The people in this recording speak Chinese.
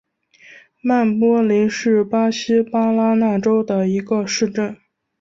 曼波雷是巴西巴拉那州的一个市镇。